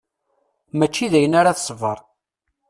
Mačči dayen ara tesber.